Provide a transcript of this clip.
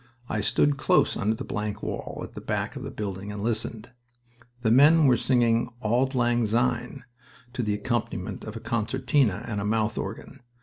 I stood close under the blank wall at the back of the building, and listened. The men were singing "Auld Lang Syne" to the accompaniment of a concertina and a mouth organ.